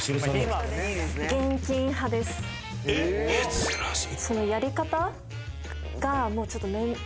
珍しい。